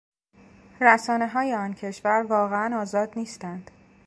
رسانههای آن کشور واقعا آزاد نیستند.